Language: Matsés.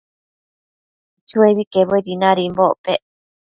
Chuebi quebuedi nadimbocpec